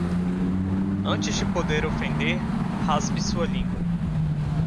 Antes de poder ofender, raspe sua língua.